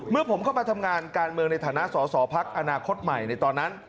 เมื่อผมเข้ามาทำงานการเมืองในฐานะสอสอพักอนาคตใหม่ในตอนนั้น